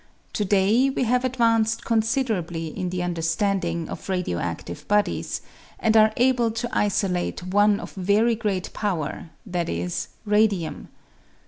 To day we have advanced considerably in the under standing of radio adlive bodies, and are able to isolate one of very great power, viz., radium.